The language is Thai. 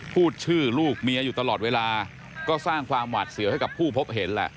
พูดชื่อลูกเมียอยู่ตลอดเวลาก็สร้างความหวาดเสียวให้กับผู้พบเห็นแหละ